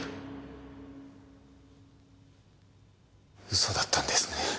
嘘だったんですね？